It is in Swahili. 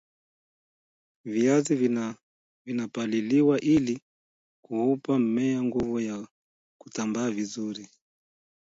viazi vinapaliliwa ili kuupa mmea nguvu ya kutambaa vizuri